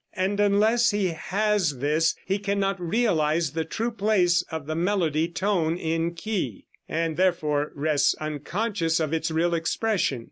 And unless he has this he cannot realize the true place of the melody tone in key, and therefore rests unconscious of its real expression.